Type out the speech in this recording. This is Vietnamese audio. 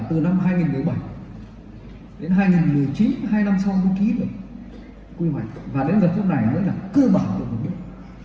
từ năm hai nghìn một mươi bảy đến hai nghìn một mươi chín hai năm sau nó ký được quy hoạch và đến giờ hôm nay nó đã cơ bản được thực hiện